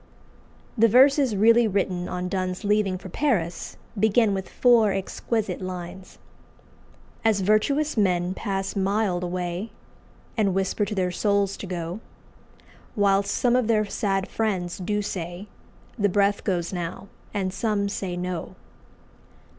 '" The verses really written on Donne's leaving for Paris begin with four exquisite lines "As virtuous men pass mild away, And whisper to their souls to go, Whilst some of their sad friends do say, 'The breath goes now,' and some say 'No!